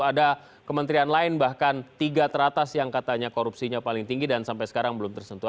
ada kementerian lain bahkan tiga teratas yang katanya korupsinya paling tinggi dan sampai sekarang belum tersentuh